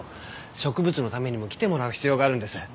植物のためにも来てもらう必要があるんです。